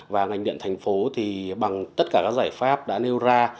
và ngành điện thành phố thì bằng tất cả các giải pháp đã nêu ra